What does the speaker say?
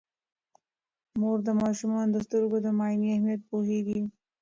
مور د ماشومانو د سترګو د معاینې اهمیت پوهیږي.